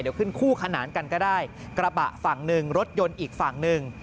เดี๋ยวขึ้นคู่ขนานกันก็ได้กระบะฝั่งหนึ่งรถยนต์อีกฝั่งหนึ่ง